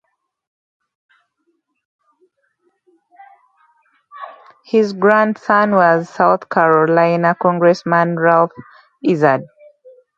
His grandson was South Carolina Congressman Ralph Izard.